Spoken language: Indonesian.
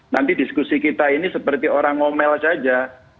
nanti diskusi kita ini seperti orang ngomel saja